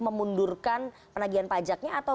memundurkan penagihan pajaknya atau